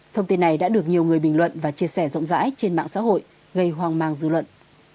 thông tin này đã được nhiều người bình luận và chia sẻ rộng rãi trên mạng xã hội gây hoang mang dư luận